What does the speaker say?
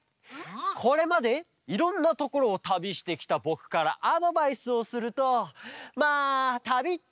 これまでいろんなところをたびしてきたぼくからアドバイスをするとまあたびっていうのは。